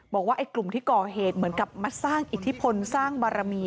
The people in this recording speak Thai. บอกว่าไอ้กลุ่มที่ก่อเหตุเหมือนกับมาสร้างอิทธิพลสร้างบารมี